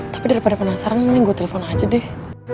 tapi daripada penasaran nih gue telfon aja deh